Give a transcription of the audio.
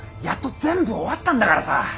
やっと全部終わったんだからさ。